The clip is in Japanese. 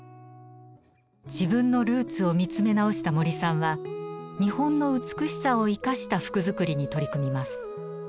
自分のルーツを見つめ直した森さんは日本の美しさを生かした服作りに取り組みます。